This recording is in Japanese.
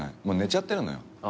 もう寝ちゃってるのよ。